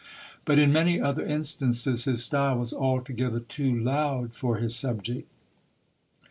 But in many other instances his style was altogether too loud for his subject.